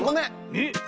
えっ？